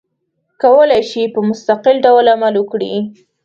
کولای شي په مستقل ډول عمل وکړي.